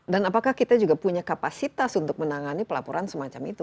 dan apakah kita juga punya kapasitas untuk menangani pelaporan semacam itu